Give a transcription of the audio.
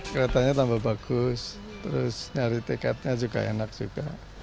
keretanya tambah bagus terus nyari tiketnya juga enak juga